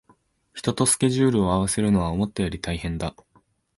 人とスケジュールを合わせるのは思ったより大変だ